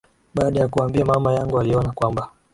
baada ya kuambia mama yangu aliona kwamba